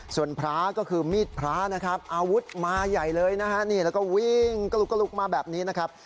ส่วนพระก็คือมีดพระนะครับอาวุธมาใหญ่เลยนะฮะนี่แล้วก็วิ่งกลุกกระลุกมาแบบนี้นะครับ